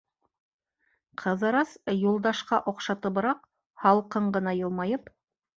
Ҡыҙырас Юлдашҡа оҡшатыбыраҡ, һалҡын ғына йылмайып: